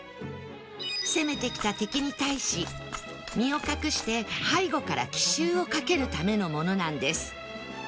攻めてきた敵に対し身を隠して背後から奇襲をかけるためのものなんです